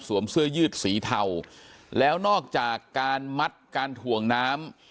เสื้อยืดสีเทาแล้วนอกจากการมัดการถ่วงน้ำ